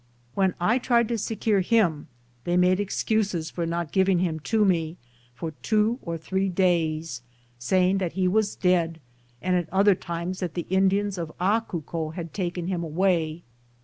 When I tried to secure him, they made ex cused for not giving him to me, for two or three daya, saying that he was dead, and at other times that the Indians of Acucu bad taken him away.